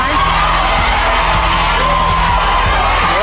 โอ้โห